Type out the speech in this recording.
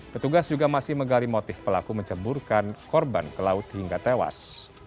petugas juga masih menggali motif pelaku menceburkan korban ke laut hingga tewas